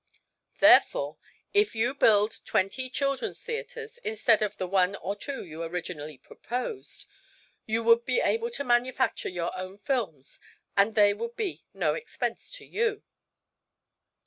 Therefore, if you build twenty children's theatres, instead of the one or two you originally proposed, you would be able to manufacture your own films and they would be no expense to you."